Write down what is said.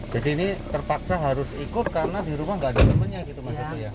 jadi ini terpaksa harus ikut karena di rumah gak ada temannya gitu mas